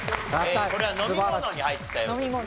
これは飲み物に入っていたようですね。